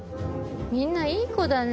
みんないい子だね